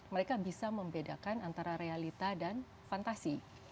mereka bisa membedakan antara realita dan fantasi